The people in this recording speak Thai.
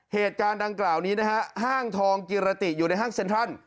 เหตุการณ์ดังกล่าวนี้นะฮะห้างทองกิรติอยู่ในห้างเซ็นทรัล